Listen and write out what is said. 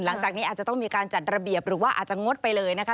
หลังจากนี้อาจจะต้องมีการจัดระเบียบหรือว่าอาจจะงดไปเลยนะคะ